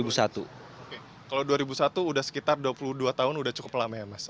oke kalau dua ribu satu sudah sekitar dua puluh dua tahun udah cukup lama ya mas